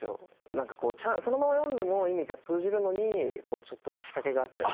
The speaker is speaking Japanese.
なんかこうそのまま読んでも意味が通じるのにちょっとした仕掛けがあったり。